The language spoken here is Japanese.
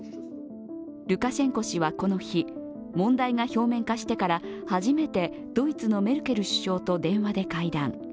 ルカシェンコ氏はこの日、問題が表面化してから初めてドイツのメルケル首相と電話で会談。